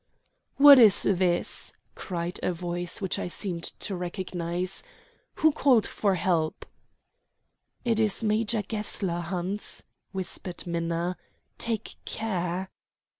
"What is this?" cried a voice which I seemed to recognize. "Who called for help?" "It is Major Gessler, Hans," whispered Minna. "Take care."